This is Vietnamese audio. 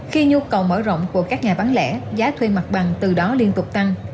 khi nhu cầu mở rộng của các nhà bán lẻ giá thuê mặt bằng từ đó liên tục tăng